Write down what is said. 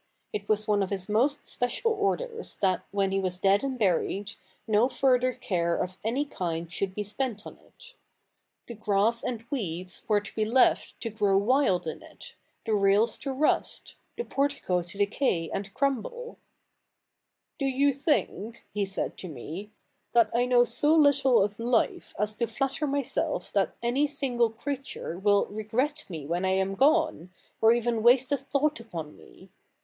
It was one of his most special orders that, when he was dead and buried, no further care of any kind should be spent on it. The grass and weeds were to be left to grow wild in it, the rails to rust, the portico to decay and To6 'HIE NEW REl'L'liLIC: [i:k. ii crumble. " Do you think," he said to me, " that I know so Httle of Hfe as to flatter myself that any single creature will regret me when I am gone, or even waste a thought upon me?